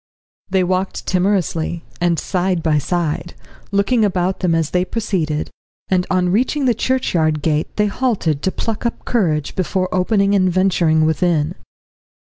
They walked timorously, and side by side, looking about them as they proceeded, and on reaching the churchyard gate they halted to pluck up courage before opening and venturing within.